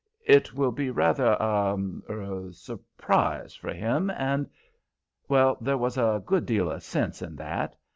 It will be rather a er surprise for him, and " Well, there was a good deal of sense in that.